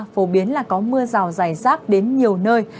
phổ biến là có mưa rào dài rác đến nhiều nơi